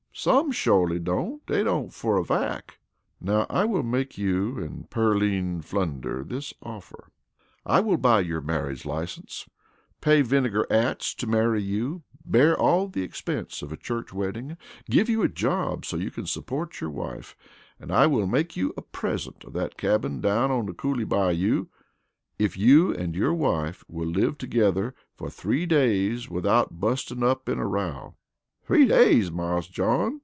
"Some shorely don't dey don't fer a fack." "Now I make you and Pearline Flunder this offer. I will buy your marriage license, pay Vinegar Atts to marry you, bear all the expense of a church wedding, give you a job so you can support your wife, and I will make you a present of that cabin down on the Coolie Bayou if you and your wife will live together for three days without busting up in a row." "Three days, Marse John!"